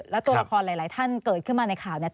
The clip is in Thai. แล้วตัวละครหลายท่านเกิดขึ้นมาในข่าวเนี่ย